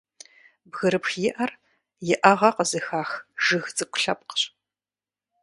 Бгырыпхиӏэр иӏэгӏэ къызыхах жыг цӏыкӏу лъэпкъщ.